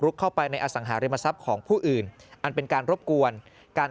เข้าไปในอสังหาริมทรัพย์ของผู้อื่นอันเป็นการรบกวนการ